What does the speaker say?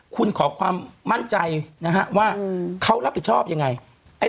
คุณขอความมั่นใจนะฮะว่าเขารับผิดชอบยังไง